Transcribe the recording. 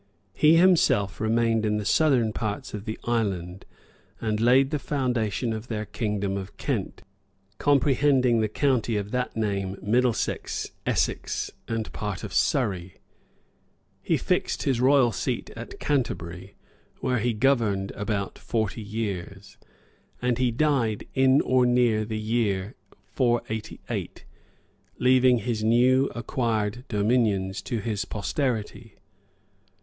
He himself remained in the southern parts of the island, and laid the foundation of their kingdom of Kent, comprehending the county of that name Middlesex, Essex, and part of Surrey. He fixed his royal seat at Canterbury, where he governed about forty years, and he died in or near the year 488, leaving his new acquired dominions to his posterity.